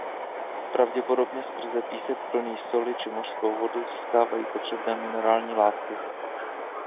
Pravděpodobně skrze písek plný soli či mořskou vodu získávají potřebné minerální látky.